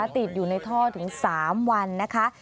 ติดอยู่ในท่อถึง๓วันนะคะ